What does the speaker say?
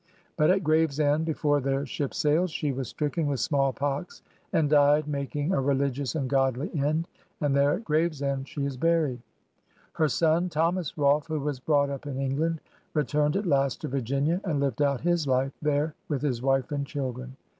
But at Graves end, before their ship sailed, she was stricken with smaUpox and died, making '"a religious and godly end,'' and there at Gravesend she is buried. Her son, Thomas Rolfe, who was brought up in England, returned at last to Virginia and lived out his life there with his wife and children.